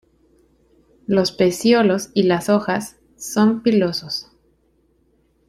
Los pecíolos y las hojas son pilosos.